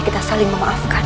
kita saling memaafkan